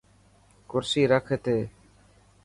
ڪرسي رک اٿي.